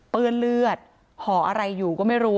เลือดห่ออะไรอยู่ก็ไม่รู้